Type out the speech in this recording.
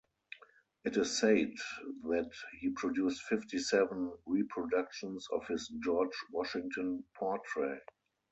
It is said that he produced fifty-seven reproductions of his George Washington portrait.